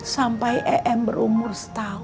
sampai em berumur setahun